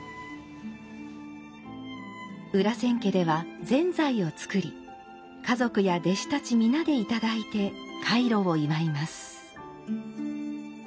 裏千家ではぜんざいを作り家族や弟子たち皆でいただいて開炉を祝います。